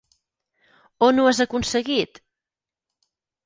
On ho has aconseguit?